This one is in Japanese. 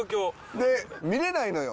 で見れないのよ